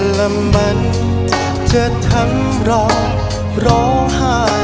และมันจะทำเราร้องไห้